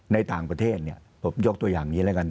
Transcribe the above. ในต่างประเทศเนี่ยผมยกตัวอย่างนี้แล้วกัน